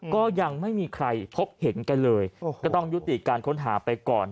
ก็ยังไม่มีใครพบเห็นกันเลยก็ต้องยุติการค้นหาไปก่อน